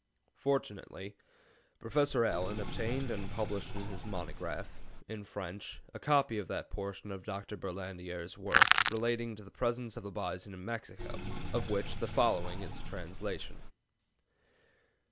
Fortunately Professor Allen obtained and published in his monograph (in French) a copy of that portion of Dr. Berlandier's work relating to the presence of the bison in Mexico, of which the following is a translation: [Note 16: The American Bisons, pp.